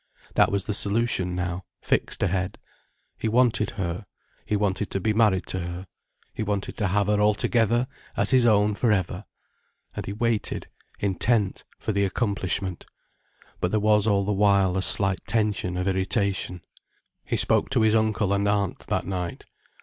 That was the solution now, fixed ahead. He wanted her, he wanted to be married to her, he wanted to have her altogether, as his own for ever. And he waited, intent, for the accomplishment. But there was all the while a slight tension of irritation. He spoke to his uncle and aunt that night.